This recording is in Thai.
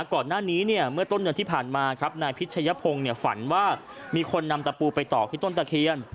ก่อนหน้านี้เนี่ยเมื่อต้นเดือนที่ผ่านมาครับนายพิชยพงศ์ฝันว่ามีคนนำตะปูไปตอกที่ต้นตะเคียน